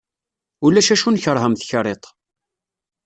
Ulac acu nekreh am tekriṭ.